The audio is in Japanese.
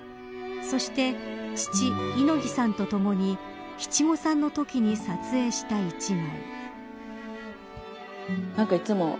そして、父、猪木さんと共に七五三のときに撮影した一枚。